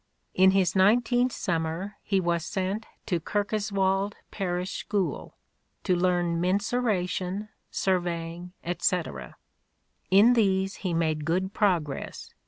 " In his nineteenth summer he was sent to Kirkoswald Parish School to learn mensuration, surveying, etc. ... In these he made good progress.